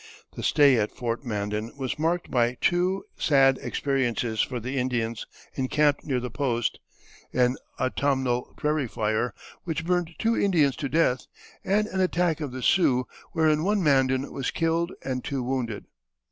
The stay at Fort Mandan was marked by two sad experiences for the Indians encamped near the post: an autumnal prairie fire which burned two Indians to death, and an attack of the Sioux, wherein one Mandan was killed and two wounded.